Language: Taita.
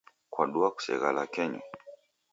Kwadua kuseghala kenyu?